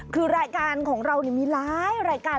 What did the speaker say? คือรายการของเรามีหลายรายการ